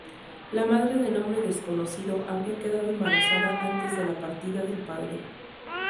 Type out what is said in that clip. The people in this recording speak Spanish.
La madre de nombre desconocido habría quedado embarazada antes de la partida del padre.